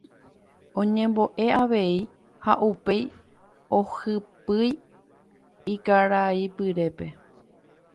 Oñemboʼe avei ha upéi ohypýi ykaraipyrépe.